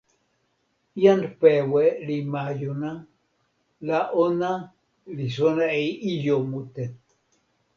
jan Pewe li majuna la ona li sona e ijo mute.